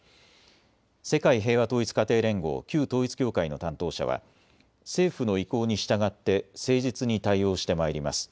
世界平和統一家庭連合、旧統一教会の担当者は政府の意向に従って誠実に対応してまいります。